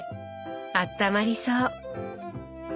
あったまりそう！